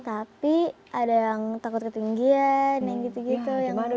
tapi ada yang takut ketinggian yang gitu gitu yang nggak boleh